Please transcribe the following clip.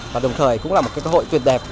và đồng thời cũng là một cơ hội tuyệt đẹp